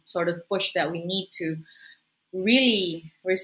karena pada akhirnya ini adalah